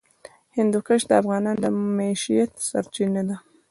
هندوکش د افغانانو د معیشت سرچینه ده.